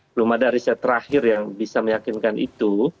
belum ada riset terakhir yang bisa meyakinkan itu